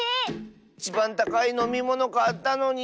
いちばんたかいのみものかったのに。